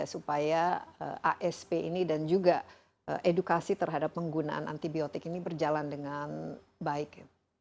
supaya asp ini dan juga edukasi terhadap penggunaan antibiotik ini berjalan dengan baik